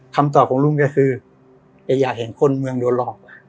คำต่อของลุงก็คือไอ้หญ่เห็นคนเมืองโดนหลอก